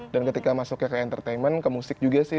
dan ketika masuknya ke entertainment ke musik juga sih